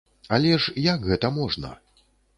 Але ж як гэта можна?